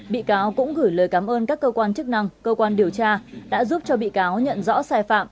bị cáo cũng gửi lời cảm ơn các cơ quan chức năng cơ quan điều tra đã giúp cho bị cáo nhận rõ sai phạm